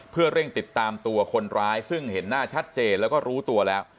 เพื่อเร่งติดตามตัวคนร้ายซึ่งเห็นหน้าชัดเจนแล้วก็รู้ตัวแล้ว